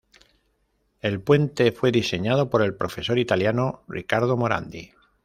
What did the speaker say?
El puente fue diseñado por el profesor italiano Riccardo Morandi.